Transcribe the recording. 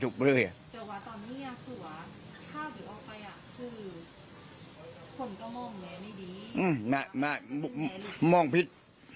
อื้อแม่มองพิษ